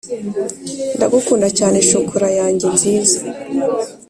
ndagukunda cyane shokora yanjye nziza